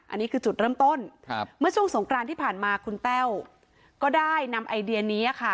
อันนี้คือจุดเริ่มต้นเมื่อช่วงสงกรานที่ผ่านมาคุณแต้วก็ได้นำไอเดียนี้ค่ะ